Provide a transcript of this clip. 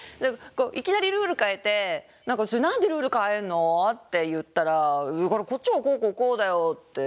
いきなりルール変えて「何でルール変えんの？」って言ったら「こっちはこうこうこうだよ」って